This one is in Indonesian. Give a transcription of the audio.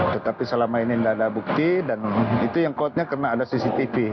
tetapi selama ini tidak ada bukti dan itu yang kuatnya karena ada cctv